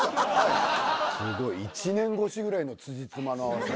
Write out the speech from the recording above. すごい１年越しぐらいのつじつまの合わせ方。